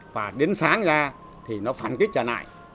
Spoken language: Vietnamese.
và đến sáng ra thì nó phản kích trở lại